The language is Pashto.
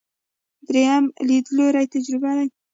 درېیم لیدلوری تجربي دی.